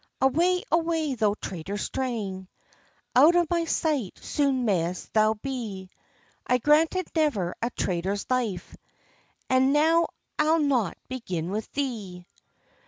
"Away, away, thou traitor strang! Out of my sight soon may'st thou be! I granted never a traitor's life, And now I'll not begin with thee."